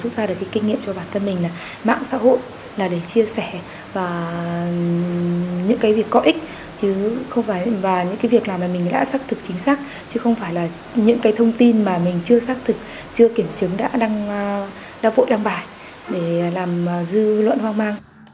là để chia sẻ và những cái việc có ích chứ không phải những cái việc mà mình đã xác thực chính xác chứ không phải là những cái thông tin mà mình chưa xác thực chưa kiểm chứng đã vội đăng bài để làm dư luận hoang mang